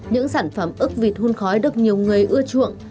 những sản phẩm ước vịt hôn khói được nhiều người ưa chuộng